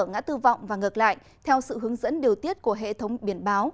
ngã tư vọng và ngược lại theo sự hướng dẫn điều tiết của hệ thống biển báo